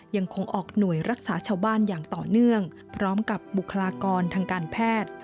ยังคงออกหน่วยรักษาชาวบ้านอย่างต่อเนื่องพร้อมกับบุคลากรทางการแพทย์